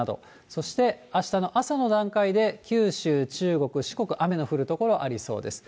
そしてあしたの朝の段階で、九州、中国、四国、雨の降る所ありそうです。